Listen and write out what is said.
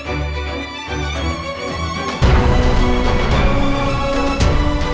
yang sudah mereka jadi